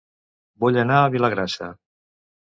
Vull anar a Vilagrassa